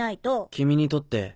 君にとって。